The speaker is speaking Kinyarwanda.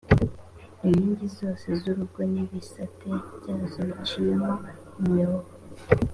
inkingi j zose z urugo n ibisate byazo biciyemo imyobo